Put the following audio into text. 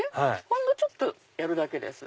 ほんのちょっとやるだけです。